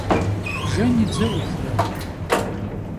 Bjjen yi dze 'Uxure?